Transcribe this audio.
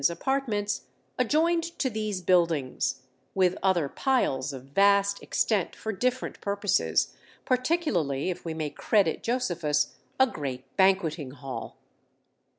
The harem, or women's apartments, adjoined to these buildings; with other piles of vast extent for different purposes, particularly, if we may credit Josephus, a great banqueting hall.